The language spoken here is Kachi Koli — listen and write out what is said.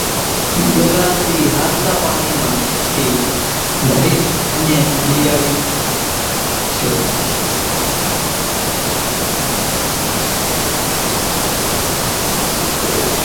ڳلاس اِي ھالتا پاڻي مان ٿي ڀرين اين نين گھرين لئي آوي سي